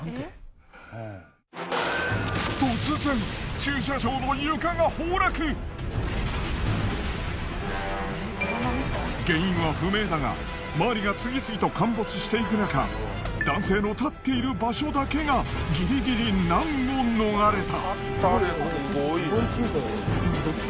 突然駐車場の原因は不明だが周りが次々と陥没していくなか男性の立っている場所だけがギリギリ難を逃れた。